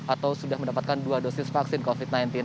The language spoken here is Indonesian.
atau sudah mendapatkan dua dosis vaksin covid sembilan belas